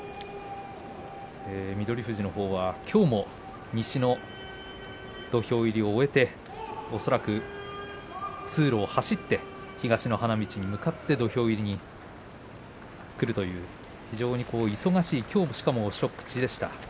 富士のほうはきょうも西の土俵入りを終えて恐らく通路を走って東の花道に向かって土俵入りに来るという非常に忙しいしかもきょうは初口でした。